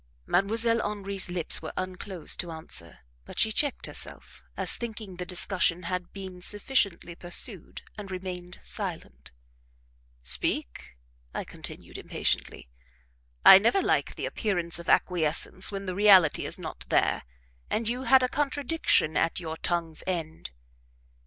Mdlle. Henri's lips were unclosed to answer, but she checked herself, as thinking the discussion had been sufficiently pursued, and remained silent. "Speak," I continued, impatiently; "I never like the appearance of acquiescence when the reality is not there; and you had a contradiction at your tongue's end."